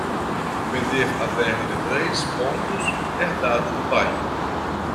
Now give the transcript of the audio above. Vender a terra de três pontos herdada do pai